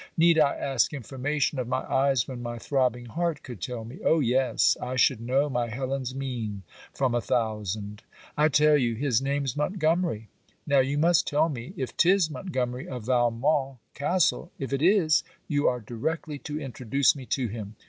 Need I ask information of my eyes when my throbbing heart could tell me? Oh yes, I should know my Helen's mien from a thousand. I tell you, his name's Montgomery. Now you must tell me, if 'tis Montgomery of Valmont castle. If it is, you are directly to introduce me to him.